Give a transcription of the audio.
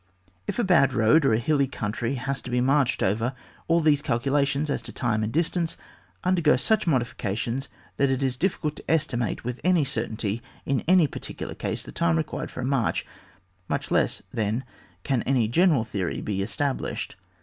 If a bad road or a hilly country has to be marched over, all these calculations as to time and distance undergo such modifications that it is difficult to estimate, with any certainty, in any particular case, the time required for a march ; much less, thon^ can any general theory be established.